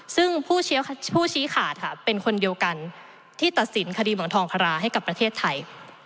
ซึ่งผู้ชี้ขาดค่ะเป็นคนเดียวกันที่ตัดสินคดีเหมืองทองคาราให้กับประเทศไทย